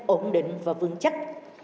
ổn định và vững chắc